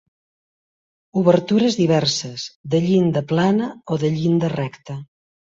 Obertures diverses, de llinda plana, o de llinda recta.